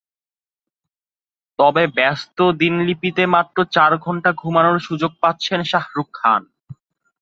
তবে ব্যস্ত দিনলিপিতে মাত্র চার ঘণ্টা ঘুমানোর সুযোগ পাচ্ছেন শাহরুখ খান।